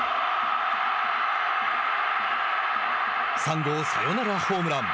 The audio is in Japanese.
３号サヨナラホームラン。